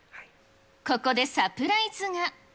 ここでサプライズが。